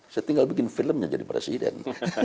saya tinggal bikin filmnya jadi presiden